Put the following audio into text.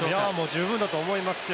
十分だと思いますよ。